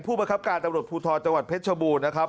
ประคับการตำรวจภูทรจังหวัดเพชรชบูรณ์นะครับ